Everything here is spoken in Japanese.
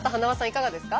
いかがですか？